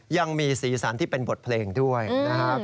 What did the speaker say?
ยังมีสีสันที่เป็นบทเพลงด้วยนะครับ